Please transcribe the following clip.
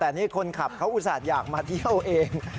แต่นี่คนขับเขาอุตส่าห์อยากมาเที่ยวเอง